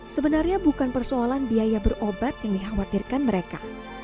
sebenarnya bukan persoalan biaya berobat yang dikhawatirkan mereka